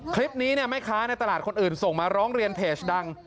คลิปนี้แม่ค้าในตลาดคนอื่นส่งมาร้องเรียนเพจดัง